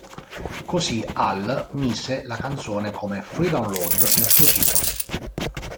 Così Al mise la canzone come free-download nel suo sito.